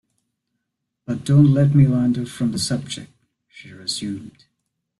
"But don't let me wander from the subject," she resumed.